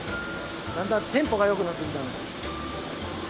だんだんテンポがよくなってきたね。